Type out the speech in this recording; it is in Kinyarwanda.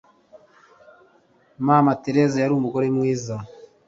Mama Teresa yari umugore mwiza